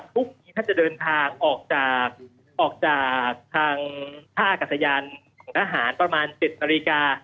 พรุ่งนี้ท่านจะเดินทางออกจากทางท่าอากาศยานของทหารประมาณ๗นาฬิกา